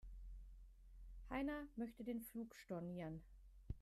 Heiner möchte den Flug stornieren.